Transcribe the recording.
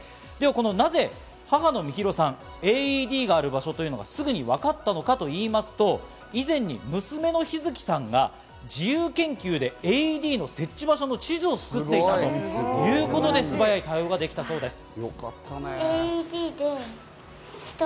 なぜ、母の美弘さん、ＡＥＤがある場所というのがすぐにわかったのかといいますと、以前に娘の陽月さんが自由研究でＡＥＤの設置場所の地図を作っていたということで、素早い対応ができたそうです。